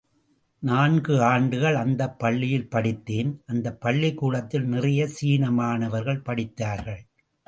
நான்கு ஆண்டுகள் அந்தப் பள்ளியில் படித்தேன் அந்தப் பள்ளிக்கூடத்தில் நிறைய சீன மாணவர்கள் படித்தார்கள்.